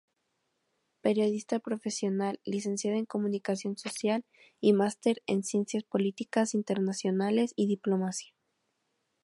Periodista profesional, licenciada en Comunicación Social y máster en Ciencias Políticas Internacionales y Diplomacia.